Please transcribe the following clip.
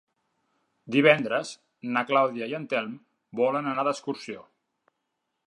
Divendres na Clàudia i en Telm volen anar d'excursió.